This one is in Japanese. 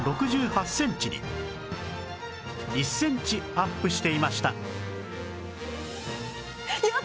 １センチアップしていました